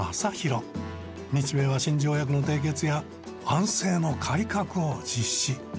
日米和親条約の締結や安政の改革を実施。